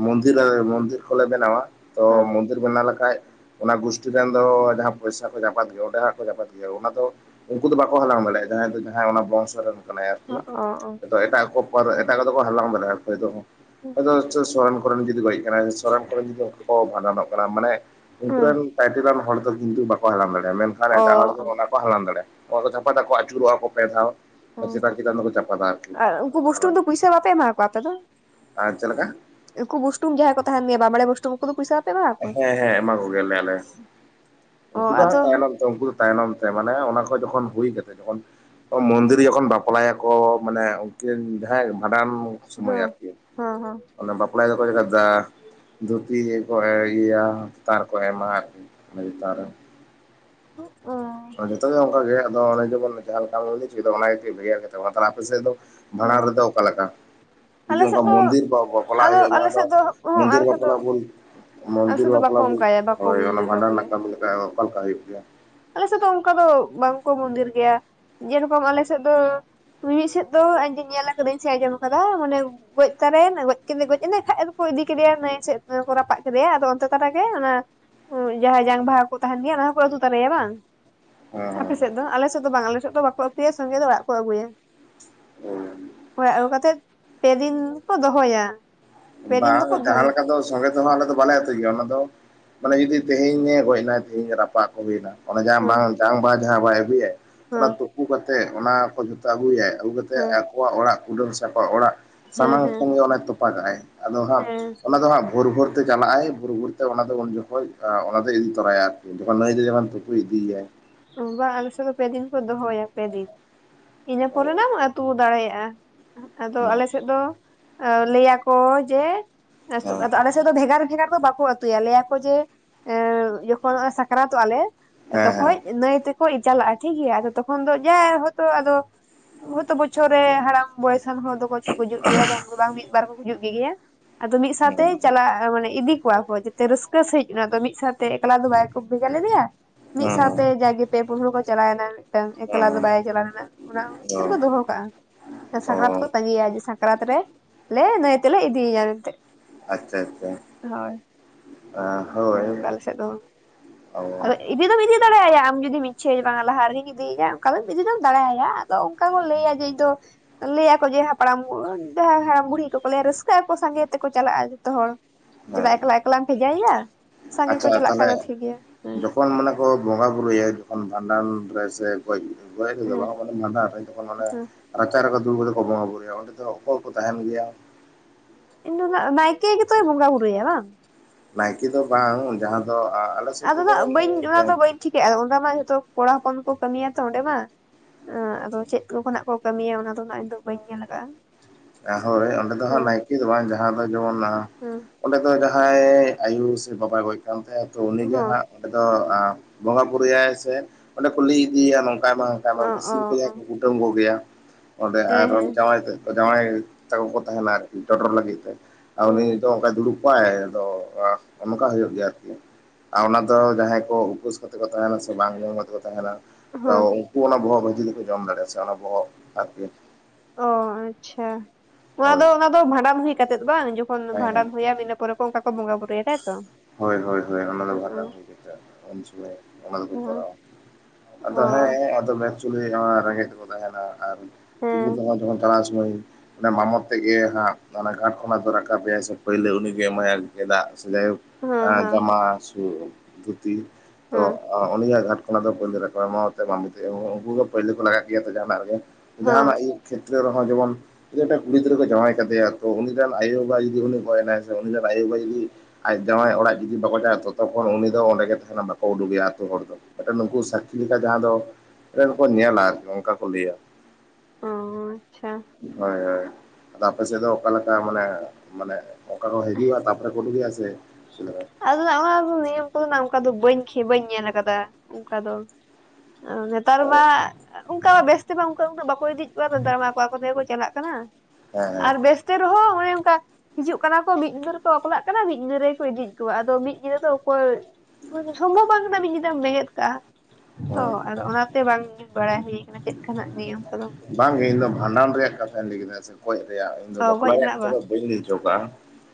Speaker 1: ᱢᱚᱱᱫᱤᱨ ᱢᱚᱱᱫᱤᱨ ᱠᱚᱞᱮ ᱵᱮᱱᱟᱣᱟ ᱛᱚ
Speaker 2: ᱦᱮᱸ
Speaker 1: ᱢᱚᱱᱫᱤᱨ ᱵᱮᱱᱟᱣ ᱞᱮᱠᱷᱟᱡ ᱚᱱᱟ ᱜᱩᱥᱴᱤ ᱨᱮᱱ ᱫᱚ ᱡᱟᱦᱟᱸ ᱯᱚᱭᱥᱟ ᱠᱚ ᱪᱟᱯᱟᱫ ᱜᱮᱭᱟ ᱚᱸᱰᱮ ᱦᱸᱟᱜ ᱠᱚ ᱡᱟᱯᱟᱫ ᱜᱮᱭᱟ ᱚᱱᱟ ᱫᱚ ᱩᱱᱠᱩ ᱫᱚ ᱵᱟᱠᱚ ᱦᱟᱞᱟᱝ ᱫᱟᱲᱮᱭᱟᱜᱼᱟ ᱡᱟᱦᱟᱸᱭ ᱫᱚ ᱡᱟᱦᱟᱸᱭ ᱚᱱᱟ ᱵᱚᱝᱥᱚ ᱨᱮᱱ ᱠᱟᱱᱟᱭ
Speaker 2: ᱚ
Speaker 1: ᱟᱨᱠᱤ ᱮᱴᱟᱜ ᱠᱚ ᱮᱴᱟᱜ ᱠᱚᱫᱚ ᱠᱚ ᱦᱟᱞᱟᱝ ᱫᱟᱲᱮᱭᱟᱜᱼᱟ ᱥᱚᱨᱮᱱ ᱠᱚᱨᱮᱱ ᱡᱩᱫᱤ ᱵᱟᱹᱲᱤᱡ ᱥᱚᱨᱮᱱ ᱠᱚᱨᱮᱱ ᱡᱩᱫᱤ ᱚᱠᱟ ᱠᱚ ᱵᱷᱟᱸᱰᱟᱱᱚᱜ ᱠᱟᱱᱟ ᱢᱟᱱᱮ ᱩᱱᱠᱩ ᱨᱮᱱ ᱴᱟᱭᱴᱮᱞ ᱟᱱ ᱦᱚᱲ ᱫᱚ ᱠᱤᱱᱛᱩ ᱵᱟᱠᱚ ᱦᱟᱞᱟᱝ ᱫᱟᱲᱮᱭᱟᱜᱼᱟ ᱢᱮᱱᱠᱷᱟᱱ
Speaker 2: ᱚ ᱚ
Speaker 1: ᱮᱴᱟᱜ ᱦᱚᱲ ᱫᱚ ᱚᱱᱟ ᱠᱚ ᱦᱟᱞᱟᱝ ᱫᱟᱲᱮᱭᱟᱜᱼᱟ ᱟᱫᱚ ᱪᱟᱯᱟᱜ ᱟᱠᱚ ᱟᱹᱪᱩᱨᱚᱜᱼᱟ ᱠᱚ ᱯᱮ ᱫᱷᱟᱣ᱾
Speaker 2: ᱚ
Speaker 1: ᱪᱮᱛᱟᱱ ᱪᱮᱛᱟᱱ ᱫᱚᱠᱚ ᱪᱯᱟᱫᱟ ᱟᱨᱠᱤ [inaudible]
Speaker 2: ᱟᱨ ᱩᱱᱠᱩ ᱵᱩᱥᱴᱩᱢ ᱫᱚ ᱯᱩᱭᱥᱟ ᱵᱟᱯᱮ ᱮᱢᱟ ᱠᱚᱣᱟ ᱟᱯᱮ ᱫᱚ
Speaker 1: ᱟᱨ ᱪᱮᱫ ᱞᱮᱠᱟ?
Speaker 2: ᱩᱱᱠᱩ ᱵᱩᱥᱴᱩᱢ ᱡᱟᱦᱟᱸᱭ ᱠᱚ ᱛᱟᱦᱮᱱ ᱜᱮᱭᱟ ᱵᱟᱢᱟᱲᱮ ᱵᱩᱥᱴᱩᱢ ᱩᱱᱠᱩ ᱫᱚ ᱯᱩᱭᱥᱟ ᱵᱟᱯᱮ ᱮᱢᱟ ᱟᱠᱚᱣᱟ?
Speaker 1: ᱦᱮᱸ ᱦᱮᱸ ᱮᱢᱟ ᱠᱚᱜᱮᱭᱟᱞᱮ ᱟᱞᱮ ᱩᱱᱠᱩ ᱫᱚ ᱦᱟᱸᱜ ᱛᱟᱭᱱᱚᱢ ᱛᱮ ᱩᱱᱠᱩ ᱫᱚ ᱛᱟᱭᱱᱚᱢ ᱛᱮ ᱢᱟᱱᱮ ᱚᱱᱟ ᱠᱚ ᱡᱚᱠᱷᱚᱱ ᱦᱩᱭ ᱠᱟᱛᱮᱜ ᱡᱚᱠᱷᱚᱱ
Speaker 2: ᱦᱮᱸ
Speaker 1: ᱢᱚᱱᱫᱤᱨ ᱡᱚᱠᱷᱚᱱ ᱵᱟᱯᱞᱟᱭ ᱟᱠᱚ ᱢᱟᱱᱮ ᱩᱱᱠᱤᱱ ᱡᱟᱦᱟᱸᱭ ᱵᱷᱟᱸᱰᱟᱱ ᱥᱩᱭᱢᱟᱹᱭ
Speaker 2: ᱦᱮᱸ
Speaker 1: ᱟᱨᱠᱤ
Speaker 2: ᱦᱮᱸ ᱦᱮᱸ
Speaker 1: ᱠᱚᱲᱟᱭ ᱫᱚᱠᱚ [inaudible] ᱫᱷᱩᱛᱤ ᱠᱚ ᱤᱭᱟᱹᱭᱟ ᱪᱮᱛᱟᱱ ᱨᱮᱠᱚ ᱮᱢᱟ ᱟᱨᱠᱤ [unintelligible] ᱡᱚᱛᱚ ᱜᱮ ᱚᱱᱠᱟ ᱜᱮ ᱟᱫᱚ ᱚᱱᱮ ᱡᱮᱢᱚᱱ ᱡᱟᱦᱟᱸ ᱞᱮᱠᱟᱢ ᱞᱟᱹᱭᱚᱪᱚ ᱠᱮᱫᱟ ᱚᱱᱟ ᱠᱟᱴᱤᱡ ᱞᱟᱹᱭᱟᱜ ᱢᱮ ᱛᱟᱦᱞᱮ ᱟᱯᱮ ᱥᱮᱫ ᱫᱚ ᱢᱟᱬᱟᱝ ᱨᱮᱫᱚ ᱚᱠᱟ ᱞᱮᱠᱟ? ᱡᱩᱫᱤ
Speaker 2: ᱟᱞᱮ
Speaker 1: ᱚᱱᱠᱟ
Speaker 2: ᱥᱮᱫ ᱫᱚ
Speaker 1: ᱢᱩᱱᱫᱤᱨ ᱵᱟᱯᱞᱟ
Speaker 2: ᱟᱫᱚ
Speaker 1: ᱦᱳᱭᱳᱜᱼᱟ
Speaker 2: ᱟᱞᱮ
Speaker 1: ᱡᱟᱦᱟᱸ ᱫᱚ
Speaker 2: ᱥᱮᱫ
Speaker 1: ᱢᱚᱱᱫᱤᱨ
Speaker 2: ᱟᱞᱮ ᱥᱮᱫ ᱫᱚ
Speaker 1: ᱵᱟᱯᱞᱟ ᱵᱚᱱ
Speaker 2: ᱟᱞᱮ
Speaker 1: ᱢᱚᱱᱫᱤᱨ
Speaker 2: ᱥᱮᱫ ᱫᱚ
Speaker 1: ᱵᱟᱯᱞᱟ
Speaker 2: ᱵᱟᱠᱚ
Speaker 1: ᱵᱚᱱ
Speaker 2: ᱚᱱᱠᱟᱭᱟ ᱵᱟᱠᱚ
Speaker 1: ᱦᱳᱭ ᱚᱱᱟ
Speaker 2: ᱢᱚᱱᱫᱤᱨ
Speaker 1: ᱵᱷᱟᱰᱟᱱ
Speaker 2: ᱵᱟᱠᱚ
Speaker 1: ᱨᱮᱱᱟᱜ
Speaker 2: ᱞᱟᱹᱭᱟ
Speaker 1: ᱠᱟᱹᱢᱤ ᱞᱮᱠᱟ ᱚᱠᱟ ᱞᱮᱠᱟ ᱦᱩᱭᱩᱜ ᱜᱮᱭᱟ
Speaker 2: ᱟᱞᱮ ᱥᱮᱫ ᱫᱚ ᱚᱱᱠᱟ ᱫᱚ ᱵᱟᱝᱠᱚ ᱢᱚᱸᱫᱤᱨ ᱜᱮᱭᱟ ᱡᱮᱨᱚᱠᱚᱢ ᱟᱞᱮ ᱥᱮᱫ ᱫᱚ ᱢᱤᱫ ᱥᱮᱫ ᱫᱚ ᱤᱧ ᱫᱚᱧ ᱧᱮᱞ ᱟᱠᱟᱹᱫᱟᱹᱧ ᱥᱮᱧ ᱟᱸᱡᱚᱢ ᱟᱠᱟᱫᱟ ᱢᱟᱱᱮ ᱜᱚᱡ ᱛᱟᱨᱟᱭᱮᱱᱟᱭ ᱜᱚᱡ ᱠᱮᱫᱮ ᱜᱚᱡ ᱮᱱᱟᱭ ᱠᱷᱟᱱᱡ ᱟᱫᱚ ᱠᱚ ᱤᱫᱤ ᱠᱮᱫᱮᱭᱟ ᱱᱟᱹᱭ ᱥᱮᱫ ᱨᱮ ᱠᱚ ᱨᱟᱯᱟᱜ ᱠᱮᱫᱮᱭᱟ ᱟᱫᱚ ᱚᱱᱛᱮ ᱛᱟᱨᱟ ᱜᱮ ᱚᱱᱟ ᱡᱟᱸᱦᱟ ᱡᱟᱝ ᱵᱟᱦᱟ ᱠᱚ ᱛᱟᱦᱮᱱ ᱜᱮᱭᱟ ᱚᱱᱟ ᱦᱚᱸᱠᱚ ᱟᱹᱛᱩ ᱛᱟᱨᱟᱭᱟ ᱵᱟᱝ
Speaker 1: ᱦᱮᱸ
Speaker 2: ᱟᱯᱮᱥᱮᱫ ᱫᱚ ᱟᱞᱮᱥᱮᱫ ᱫᱚ ᱵᱟᱝ ᱟᱞᱮ ᱥᱮᱫ ᱫᱚ ᱵᱟᱠᱚ ᱟᱹᱛᱩᱭᱟ ᱥᱚᱸᱜᱮ ᱫᱚ ᱚᱲᱟᱜ ᱠᱚ ᱟᱹᱜᱩᱭᱟ᱾
Speaker 1: ᱦᱮᱸ ᱦᱮᱸ
Speaker 2: ᱦᱚᱭ ᱟᱹᱜᱩ ᱠᱟᱛᱮᱫ ᱯᱮ ᱫᱤᱱ ᱠᱚ ᱫᱚᱦᱚᱭᱟ᱾ ᱯᱮ ᱫᱤᱱ ᱫᱚᱠᱚ
Speaker 1: ᱵᱟᱝ ᱡᱟᱦᱟᱸ
Speaker 2: ᱫᱚᱦᱚᱭᱟ
Speaker 1: ᱞᱮᱠᱟ ᱫᱚ ᱥᱚᱸᱜᱮ ᱫᱚ ᱦᱟᱸᱜ ᱟᱞᱮ ᱫᱚ ᱵᱟᱞᱮ ᱟᱹᱛᱩᱭ ᱜᱮᱭᱟ ᱚᱱᱟ ᱫᱚ ᱢᱟᱱᱮ ᱡᱩᱫᱤ ᱛᱮᱦᱮᱧ ᱮ ᱜᱚᱡ ᱱᱟ ᱛᱮᱦᱤᱧ ᱨᱟᱯᱟᱜ ᱠᱚ ᱦᱩᱭᱱᱟ ᱚᱱᱮ ᱡᱟᱸᱦᱟ
Speaker 2: ᱦᱮᱸ
Speaker 1: ᱵᱟᱝ ᱡᱟᱝ ᱵᱟᱦᱟ ᱡᱟᱦᱟᱸ ᱵᱟᱭ ᱟᱹᱜᱩᱭᱟ ᱚᱱᱟ
Speaker 2: ᱦᱮᱸ
Speaker 1: ᱛᱩᱯᱩ ᱠᱟᱛᱮᱜ ᱚᱱᱟ ᱠᱚ ᱟᱹᱜᱩᱭᱟᱭ ᱟᱹᱜᱩ ᱠᱟᱛᱮᱫ
Speaker 2: ᱦᱮᱸ
Speaker 1: ᱟᱠᱚᱣᱟᱜ ᱚᱲᱟᱜ ᱠᱩᱰᱟᱹᱢ ᱥᱟ‌ ᱠᱷᱚᱡ ᱟᱠᱚᱣᱟᱜ ᱚᱲᱟᱜ
Speaker 2: ᱦᱮᱸ
Speaker 1: ᱥᱟᱢᱟᱝ
Speaker 2: ᱦᱮᱸ
Speaker 1: ᱴᱷᱮᱱ ᱜᱮ ᱚᱱᱟ ᱛᱚᱯᱟᱜ ᱠᱟᱜᱼᱟᱭ᱾ ᱟᱫᱚ ᱦᱟᱸᱜ
Speaker 2: ᱦᱮᱸ
Speaker 1: ᱚᱱᱟ ᱫᱚ ᱦᱟᱸᱜ ᱵᱷᱳᱨ ᱵᱷᱳᱨ ᱛᱮ ᱪᱟᱞᱟᱜᱼ ᱟᱭ ᱵᱷᱳᱨ ᱵᱷᱳᱨ ᱛᱮ ᱚᱱᱟ ᱫᱚ ᱩᱱ ᱡᱚᱠᱷᱚᱡ ᱚᱱᱟ ᱫᱚᱭ ᱤᱫᱤ ᱛᱚᱨᱟᱭᱟ᱾ ᱡᱚᱠᱷᱚᱱ ᱵᱟᱹᱭ ᱡᱚᱠᱷᱚᱱ ᱛᱩᱯᱩ ᱤᱫᱤᱭᱟᱭ
Speaker 2: ᱵᱟᱝ ᱟᱞᱮ ᱥᱮᱫ ᱫᱚ ᱯᱮᱫᱤᱱ ᱠᱚ ᱫᱚᱦᱚᱭᱟ ᱯᱮᱫᱤᱱ᱾ ᱤᱱᱟᱹ ᱯᱚᱨᱮᱱᱟᱢ ᱟᱹᱛᱩ ᱫᱟᱲᱮᱭᱟᱜᱼᱟ ᱟᱫᱚ ᱟᱞᱮ ᱥᱮᱫ ᱫᱚ ᱞᱟᱹᱭ ᱟᱠᱚ ᱡᱮ
Speaker 1: ᱦᱮᱸ
Speaker 2: ᱟᱫᱚ ᱟᱫᱚ ᱵᱷᱮᱜᱟᱨ ᱵᱷᱮᱜᱟᱨ ᱫᱚ ᱵᱟᱠᱚ ᱟᱹᱛᱩᱭᱟ ᱞᱮᱭᱟ ᱠᱚ ᱡᱮ ᱮ ᱡᱚᱠᱷᱚᱱ ᱥᱟᱠᱨᱟᱛᱚᱜ ᱟᱞᱮ
Speaker 1: ᱦᱮᱸ ᱦᱮᱸ
Speaker 2: ᱛᱚᱠᱷᱚᱡ
Speaker 1: ᱦᱮᱸ
Speaker 2: ᱱᱟᱹᱭ ᱛᱮᱠᱚ ᱪᱟᱞᱟᱜᱼᱟ ᱴᱷᱤᱠ ᱜᱮᱭᱟ ᱟᱫᱚ ᱛᱚᱠᱷᱚᱱ ᱫᱚ ᱡᱟᱭ ᱦᱚᱭᱛᱚ ᱟᱫᱚ ᱱᱚᱜᱼᱚᱭ ᱛᱚ ᱵᱚᱪᱷᱚᱨ ᱨᱮ ᱦᱟᱲᱟᱢ ᱵᱚᱭᱮᱥᱟᱱ ᱦᱚᱲ ᱫᱚᱠᱚ ᱜᱩᱡᱩᱜ ᱜᱮᱭᱟ ᱵᱟᱝ ᱵᱟᱝ ᱢᱤᱫᱵᱟᱨ ᱠᱚ ᱜᱩᱡᱩᱜ ᱜᱮ ᱜᱮᱭᱟ᱾ ᱟᱫᱚ ᱢᱤᱫ
Speaker 1: ᱦᱮᱸ
Speaker 2: ᱥᱟᱶᱛᱮ ᱪᱟᱞᱟᱜ ᱢᱟᱱᱮ ᱤᱫᱤ ᱠᱚᱣᱟ ᱠᱚ᱾ ᱨᱟᱹᱥᱠᱟᱹ ᱥᱟᱹᱦᱤᱡᱽ ᱚᱱᱟ ᱫᱚ ᱢᱤᱫ ᱥᱟᱶᱛᱮ ᱮᱠᱞᱟ ᱫᱚ ᱵᱟ ᱠᱚ ᱵᱷᱮᱡᱟ ᱞᱮᱫᱮᱭᱟ ᱢᱤᱫ ᱥᱟᱶ ᱡᱟᱜᱮ ᱯᱮ ᱯᱩᱱ ᱦᱚᱲ ᱠᱚ ᱪᱟᱞᱟᱣᱮᱱᱟ᱾ ᱴᱟᱝ
Speaker 1: ᱦᱮᱸ ᱦᱮᱸ
Speaker 2: ᱮᱠᱞᱟ ᱫᱚ ᱵᱟᱭ ᱪᱟᱞᱟᱣ ᱞᱮᱱᱟ ᱚᱱᱟ ᱠᱷᱟᱹᱛᱤᱨ
Speaker 1: ᱦᱮᱸ
Speaker 2: ᱠᱚ ᱫᱚᱦᱚ ᱠᱟᱜᱼᱟ
Speaker 1: ᱚ
Speaker 2: ᱥᱟᱠᱨᱟᱛ ᱠᱚ ᱛᱟᱸᱜᱤᱭᱟ ᱡᱮ ᱥᱟᱠᱟ ᱥᱟᱠᱨᱟᱛ ᱨᱮ ᱞᱮ ᱱᱟᱹᱭᱛᱮ ᱞᱮ ᱤᱫᱤᱭᱭᱟ ᱢᱮᱱᱛᱮ ᱾
Speaker 1: ᱟᱪᱪᱷᱟ ᱟᱪᱪᱷᱟ
Speaker 2: ᱚᱱᱮ
Speaker 1: ᱦᱳᱭ
Speaker 2: ᱚᱱᱠᱟ ᱟᱞᱮ ᱥᱮᱫ ᱫᱚ
Speaker 1: ᱚ
Speaker 2: ᱟᱫᱚ ᱤᱫᱤ ᱫᱚᱢ ᱤᱫᱤ ᱫᱟᱲᱮᱭᱟᱭᱟ ᱟᱢ ᱡᱩᱫᱤᱢ ᱤᱪᱷᱟᱹᱭᱟ ᱵᱟᱝ ᱞᱟᱦᱟ ᱨᱮᱜᱤᱧ ᱤᱫᱤᱭᱮᱭᱟ ᱚᱱᱠᱟᱢ ᱤᱫᱤ ᱫᱚᱢ ᱫᱟᱲᱭᱟᱭᱟ ᱟᱫᱚ ᱚᱱᱠᱟ ᱠᱚ ᱞᱟᱹᱭᱟ ᱡᱮ ᱤᱧ ᱫᱚ ᱞᱟᱹᱭᱟᱠᱚ ᱡᱮ ᱦᱟᱯᱲᱟᱢ ᱡᱟᱦᱟᱸ ᱦᱟᱲᱟᱢ ᱵᱩᱲᱦᱤ ᱠᱚᱠᱚ ᱞᱟᱹᱭᱟ ᱨᱟᱹᱥᱠᱟᱹᱜ ᱟᱠᱚ ᱥᱟᱸᱜᱮ ᱛᱮᱠᱚ ᱪᱟᱞᱟᱜᱼᱟ ᱡᱚᱛᱚ ᱦᱚᱲ ᱪᱮᱫᱟᱜ
Speaker 1: ᱦᱮᱸ
Speaker 2: ᱮᱠᱞᱟ ᱮᱠᱞᱟᱢ ᱵᱷᱮᱡᱟᱭᱮᱭᱟ ᱥᱟᱸᱜᱮ ᱠᱚ
Speaker 1: ᱟᱪᱪᱷᱟ
Speaker 2: ᱪᱟᱞᱟᱜ ᱠᱷᱟᱱ ᱫᱚ
Speaker 1: ᱛᱟᱦᱚᱞᱮ
Speaker 2: ᱴᱷᱤᱠ ᱜᱮᱭᱟ ᱦᱩᱸ
Speaker 1: ᱡᱚᱠᱷᱚᱱ ᱢᱟᱱᱮ ᱠᱚ ᱵᱚᱸᱜᱟ ᱵᱩᱨᱩᱭᱟ ᱡᱚᱠᱷᱚᱱ ᱵᱷᱟᱰᱟᱱ ᱨᱮ ᱥᱮ ᱜᱚᱡ ᱜᱚᱡ ᱨᱮ ᱫᱚ
Speaker 2: ᱦᱮᱸ
Speaker 1: ᱵᱟᱝ ᱢᱟᱱᱮ [unintelligible] ᱨᱮ ᱡᱚᱠᱷᱚᱡ ᱚᱸᱰᱮᱼᱼ
Speaker 2: ᱦᱮᱸ
Speaker 1: ᱨᱟᱪᱟ ᱨᱮ ᱠᱚ ᱫᱩᱲᱩᱵ ᱠᱟᱛᱮ ᱠᱚ ᱵᱚᱸᱜᱟ ᱵᱩᱨᱩᱭᱟ ᱚᱸᱰᱮ ᱫᱚ ᱚᱠᱚᱭ ᱠᱚ ᱛᱟᱸᱦᱮᱱ ᱜᱮᱭᱟ
Speaker 2: ᱤᱧ [unintelligible] ᱱᱟᱭᱠᱮ ᱜᱮᱛᱚᱭ ᱵᱚᱸᱜᱟ ᱵᱩᱨᱩᱭᱟ ᱵᱟᱝᱼᱼ
Speaker 1: ᱱᱟᱭᱠᱮ ᱫᱚ ᱵᱟᱝ ᱡᱟᱦᱟᱸ ᱫᱚ ᱥᱮᱫ
Speaker 2: ᱟᱫᱚ ᱫᱚ
Speaker 1: ᱡᱮᱢᱚᱱ
Speaker 2: ᱵᱟᱹᱧ ᱚᱱᱟ ᱫᱚ ᱵᱟᱹᱧᱼᱼ ᱴᱷᱤᱠᱮᱜ-ᱟ ᱟᱫᱚ ᱚᱸᱰᱮ ᱢᱟ ᱡᱷᱚᱛᱚ ᱠᱚᱲᱟ ᱦᱚᱯᱚᱱ ᱠᱚ ᱠᱟᱹᱢᱤᱭᱟ ᱛᱚ ᱚᱸᱰᱮ ᱢᱟ ᱟᱫᱚ ᱪᱮᱫ ᱠᱚ ᱠᱚ ᱱᱟᱜ ᱠᱚ ᱠᱟᱹᱢᱤᱭᱟ ᱚᱱᱟ ᱫᱚ ᱱᱟᱜ ᱤᱧ ᱫᱚ ᱵᱟᱹᱧ ᱧᱮᱞ ᱠᱟᱜᱼᱟ ᱾
Speaker 1: ᱦᱳᱭ ᱚᱸᱰᱮ ᱫᱚ ᱦᱟᱸᱜ ᱱᱟᱭᱠᱮ ᱫᱚ ᱵᱟᱝ ᱡᱟᱦᱟᱸ ᱫᱚ ᱡᱮᱢᱚᱱᱼᱼ
Speaker 2: ᱦᱮᱸ
Speaker 1: ᱚᱸᱰᱮ ᱫᱚ ᱡᱟᱦᱟᱸᱭ ᱟᱭᱳ ᱥᱮ ᱵᱟᱵᱟᱭ ᱜᱚᱡ ᱠᱟᱱ ᱛᱟᱦᱮ ᱛᱚ ᱩᱱᱤ ᱜᱮ
Speaker 2: ᱦᱚᱸ
Speaker 1: ᱦᱟᱸᱜᱼᱼ ᱚᱸᱰᱮ ᱫᱚ ᱵᱚᱸᱜᱟ ᱵᱩᱨᱩᱭᱟᱭ ᱥᱮ ᱚᱸᱰᱮ ᱠᱩᱞᱤ ᱤᱫᱤᱭᱟ ᱱᱚᱝᱠᱟ ᱟᱭᱢᱟ ᱟᱭᱢᱟ
Speaker 2: ᱚ ᱚ
Speaker 1: ᱥᱤᱢ ᱠᱚ
Speaker 2: ᱚ
Speaker 1: ᱡᱟᱦᱟᱸᱭ ᱠᱚ ᱠᱩᱴᱟᱹᱢ ᱠᱚ ᱜᱮᱭᱟ ᱚᱸᱰᱮ ᱟᱨ
Speaker 2: ᱦᱮᱸ ᱦᱮᱸ
Speaker 1: ᱚᱸᱰᱮ ᱡᱟᱶᱟᱭ ᱛᱮᱼᱼ ᱡᱟᱶᱟᱭ ᱛᱟᱠᱚ ᱠᱚ ᱛᱟᱦᱮᱱᱟ ᱟᱨᱠᱤ ᱪᱚᱰᱚᱨ ᱞᱟᱹᱜᱤᱫ ᱛᱮ ᱟᱨ
Speaker 2: ᱚ
Speaker 1: ᱩᱱᱤ ᱫᱚ ᱚᱱᱠᱟᱭ ᱫᱩᱲᱩᱵ ᱱᱟᱯᱟᱭ ᱫᱚ [unintelligible] ᱚᱱᱠᱟ ᱦᱳᱭᱳᱜ ᱜᱮᱭᱟ ᱟᱨᱠᱤ ᱟᱨ ᱚᱱᱟ ᱫᱚ ᱡᱟᱦᱟᱸᱭ ᱠᱚ ᱩᱯᱟᱹᱥᱼᱼ ᱠᱟᱛᱮ ᱠᱚ ᱛᱟᱦᱮᱱᱟ ᱥᱮ ᱵᱟᱝ ᱡᱚᱢ ᱠᱟᱛᱮ ᱠᱚ ᱛᱟᱦᱮᱱᱟ ᱛᱚ
Speaker 2: ᱦᱚᱸ
Speaker 1: ᱩ ᱩᱱᱠᱩ ᱚᱱᱟ ᱵᱚᱦᱚᱜ ᱵᱷᱟᱹᱡᱤ ᱫᱚᱠᱚ ᱡᱚᱢ ᱫᱟᱲᱮᱭᱟᱜᱼᱟ ᱥᱮ ᱚᱱᱟ ᱵᱚᱦᱚᱜ ᱟᱨᱠᱤ
Speaker 2: ᱚ ᱟᱪᱪᱷᱟ ᱱᱚᱣᱭᱟ
Speaker 1: ᱦᱳᱭ
Speaker 2: ᱫᱚ ᱚᱱᱟ ᱫᱚ ᱵᱷᱟᱸᱰᱟᱱ ᱦᱩᱭ ᱠᱟᱛᱮᱫ ᱵᱟᱝ ᱡᱚᱠᱷᱚᱱ
Speaker 1: ᱦᱮᱸ
Speaker 2: ᱵᱷᱟᱸᱰᱟᱱ
Speaker 1: ᱦᱮᱸ
Speaker 2: ᱦᱩᱭᱟ ᱤᱱᱟᱹ ᱯᱚᱨᱮ ᱚᱱᱠᱟ ᱠᱚ ᱵᱚᱸᱜᱟ ᱵᱩ
Speaker 1: ᱦᱳᱭ ᱦᱳᱭ ᱦᱳᱭ ᱚᱱᱟ ᱫᱚ ᱵᱷᱟᱸᱰᱟᱱ ᱦᱩᱭ ᱠᱟᱛᱮᱜ ᱩᱱ ᱥᱚᱢᱚᱭ ᱚᱱᱟ ᱫᱚᱠᱚ
Speaker 2: ᱦᱮᱸ
Speaker 1: ᱠᱚᱨᱟᱣᱟ ᱾ ᱟᱫᱚ
Speaker 2: ᱚ
Speaker 1: ᱦᱮᱸ ᱟᱫᱚ ᱮᱠᱪᱩᱞᱤ ᱨᱮᱸᱜᱮᱡ ᱛᱮ ᱠᱚ ᱛᱟᱦᱮᱱᱟ ᱟᱨ
Speaker 2: ᱦᱮᱸ
Speaker 1: [unintelligible] ᱦᱳᱭ ᱚᱱᱮ ᱢᱟᱢᱚᱛ ᱛᱮᱜ ᱜᱮ ᱦᱟᱸᱜ ᱚᱱᱟ ᱜᱷᱟᱴ ᱠᱷᱚᱱᱟᱜ ᱫᱚ ᱨᱟᱠᱟᱵᱮᱭᱟ ᱥᱮ ᱯᱟᱹᱭᱞᱟᱹ ᱩᱱᱤᱜᱮ ᱮᱢᱟᱭᱟᱭ ᱜᱮᱸᱫᱟᱜ ᱾ ᱥᱮᱞᱮᱯ
Speaker 2: ᱦᱮᱸ ᱦᱮᱸ
Speaker 1: ᱡᱟᱢᱟ ᱥᱩ ᱫᱷᱩᱛᱤ ᱛᱚ
Speaker 2: ᱦᱮᱸ
Speaker 1: ᱩᱱᱤᱭᱟᱜᱧᱼᱼ ᱚᱱᱟ ᱫᱚ ᱯᱳᱭᱞᱳ ᱨᱮᱠᱚ ᱮᱢᱚᱜᱼᱟ ᱥᱮ ᱵᱩᱡᱷᱟᱹᱜᱼᱟ ᱩᱱᱠᱩ ᱜᱮ ᱯᱳᱭᱞᱳ ᱠᱚ ᱞᱟᱜᱟᱜ ᱜᱮᱭᱟ ᱡᱟᱦᱟᱱᱟᱜ ᱨᱮᱜᱮ
Speaker 2: ᱦᱮᱸ
Speaker 1: ᱡᱟᱦᱟᱱᱟᱜ ᱤᱭᱟᱹ ᱪᱮᱫ, ᱤᱭᱟᱹ ᱨᱮᱦᱚ ᱡᱮᱢᱚᱱ ᱤᱭᱟᱹᱴᱟᱜ ᱠᱩᱲ ᱜᱤᱫᱽᱨᱟᱹ ᱠᱚ ᱡᱟᱣᱟᱭ ᱠᱟᱫᱮᱭᱟ ᱛᱚ ᱩᱱᱤ ᱨᱮᱱ ᱟᱭᱳᱵᱟ ᱡᱩᱫᱤ ᱩᱱᱤ ᱜᱚᱭᱡ ᱨᱮᱱᱟᱜ ᱥᱮ ᱩᱱᱤ ᱨᱮᱱ ᱟᱭᱳᱼᱵᱟ ᱡᱩᱫᱤ, ᱟᱡ ᱡᱟᱣᱟᱭ ᱚᱲᱟᱜ ᱡᱩᱫᱤ ᱵᱟᱠᱚ ᱪᱟᱞᱟᱜ ᱛᱚᱛᱚᱠᱷᱚᱱ ᱩᱱᱤ ᱫᱚ ᱚᱸᱰᱮ ᱜᱮ ᱛᱟᱦᱮᱱᱟ ᱵᱟᱠᱚ ᱩᱰᱩᱜᱮᱭᱟ ᱟᱛᱳ ᱦᱚᱲ ᱫᱚ᱾ ᱦᱮ ᱛᱚ ᱱᱩᱱᱠᱩ ᱥᱟᱠᱠᱷᱤ ᱞᱮᱠᱟ ᱡᱟᱦᱟᱸ ᱫᱚ ᱮᱱ ᱠᱚ ᱧᱮᱞᱟ ᱚᱱᱠᱟ ᱠᱚ ᱞᱟᱹᱭᱟ᱾
Speaker 2: ᱚ ᱟᱪᱪᱷᱟ
Speaker 1: ᱦᱳᱭ ᱦᱳᱭ ᱟᱫᱚ ᱟᱯᱮ ᱥᱮᱫ ᱫᱚ ᱚᱠᱟᱞᱮᱠᱟ ᱢᱟᱱᱮ ᱼᱢᱟᱱᱮ, ᱚᱠᱟᱠᱚ ᱨᱚᱲ ᱦᱤᱡᱩᱜᱼᱟ ᱛᱟᱯᱚᱨᱮ ᱠᱚ ᱩᱰᱩᱜ ᱮᱭᱟ ᱥᱮ, ᱪᱮᱫ ᱞᱮᱠᱟ
Speaker 2: [inaudible] ᱱᱮᱛᱟᱨ ᱢᱟ
Speaker 1: ᱚ
Speaker 2: ᱩᱱᱠᱟ ᱵᱮᱥ ᱛᱮᱢᱟ ᱩᱱᱠᱟ ᱩᱱᱟᱹᱜ ᱵᱟᱠᱚ ᱤᱫᱤᱜ ᱚᱠᱟᱨᱮ ᱰᱨᱟᱢᱟ ᱠᱚᱣᱟᱠᱚ ᱟᱠᱚ ᱛᱮᱜᱮ ᱠᱚ ᱪᱟᱞᱟᱜ ᱠᱟᱱᱟ ᱟᱨ ᱵᱮᱥ ᱪᱮᱫ ᱦᱚᱸ ᱦᱳᱭ ᱚᱱᱠᱟ ᱦᱤᱡᱩᱜ ᱠᱟᱱᱟ ᱠᱚ ᱢᱤᱫ ᱧᱤᱫᱟᱹᱨ ᱨᱮᱠᱚ ᱵᱟᱯᱞᱟᱜ ᱠᱟᱱᱟ ᱢᱤᱫ ᱧᱤᱫᱟᱹᱨ ᱨᱮᱜᱮ ᱠᱚ ᱤᱫᱤ, ᱟᱫᱚ ᱢᱤᱫ ᱧᱤᱫᱟᱹ ᱫᱚ ᱚᱠᱚᱭ ᱥᱚᱢᱵᱷᱚᱵ ᱵᱟᱝ ᱠᱟᱱᱟ ᱢᱤᱫ ᱧᱤᱟᱟᱹᱢ ᱵᱮᱸᱜᱮᱫ ᱠᱟᱜᱼᱟ᱾ ᱛᱚ
Speaker 1: ᱦᱮᱸ
Speaker 2: ᱟᱫᱚ ᱚᱱᱟᱛᱮ ᱵᱟᱝ ᱵᱟᱲᱟᱭ ᱦᱩᱭ ᱟᱠᱟᱱᱟ ᱪᱮᱫ ᱠᱟᱱᱟᱜ ᱱᱤᱭᱚᱢ ᱠᱚᱫᱚ
Speaker 1: ᱵᱟᱝᱜᱮ ᱤᱧ ᱫᱚ ᱵᱷᱟᱸᱰᱟᱱ ᱨᱮᱭᱟᱜ ᱠᱟᱛᱷᱟᱧ ᱞᱟᱹᱭ ᱠᱮᱫᱟ ᱥᱮ ᱜᱚᱡ ᱨᱮᱭᱟᱜ ᱤᱧ ᱫᱚ
Speaker 2: ᱚ
Speaker 1: ᱵᱟᱯᱞᱟ
Speaker 2: ᱜᱚᱡ
Speaker 1: ᱨᱮᱭᱟᱜ
Speaker 2: ᱨᱮᱱᱟᱜ
Speaker 1: ᱠᱟᱛᱷᱟ
Speaker 2: ᱵᱟᱝ
Speaker 1: ᱫᱚ ᱵᱟᱹᱧ ᱞᱟᱹᱭ ᱚᱪᱚᱣᱟᱠᱟᱫᱼᱟ᱾